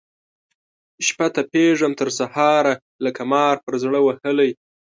شپه تپېږم تر سهاره لکه مار پر زړه وهلی